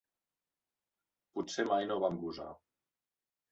Potser mai no vam gosar.